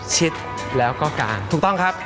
ชิดแล้วก็กางถูกต้องครับ